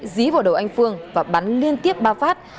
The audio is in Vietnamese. dí vào đầu anh phương và bắn liên tiếp ba phát